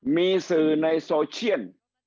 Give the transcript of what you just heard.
มีสื่อในโซเชียล